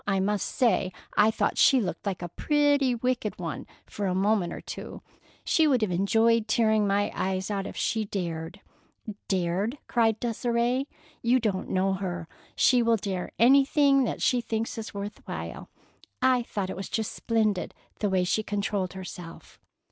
I must say, I thought she looked like a pretty wicked one for a minute or two. She would have enjoyed tearing my eyes out if she had dared." "Dared!" cried Desire. "You don't know her. She will dare anything that she thinks is worth while. I thought it was just splendid, the way she controlled herself."